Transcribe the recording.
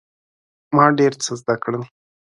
ما ډیر څه زده کړل.